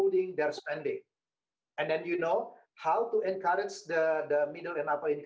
dan saya pikir nanti kami bisa bicarakan bagaimana berapa baik